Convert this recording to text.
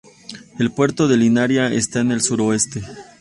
El puerto de Linaria está en el suroeste.